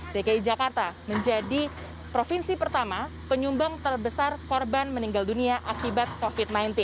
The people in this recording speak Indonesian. dki jakarta menjadi provinsi pertama penyumbang terbesar korban meninggal dunia akibat covid sembilan belas